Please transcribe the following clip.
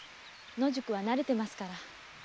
野宿は慣れてますから。